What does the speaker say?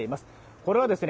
これはですね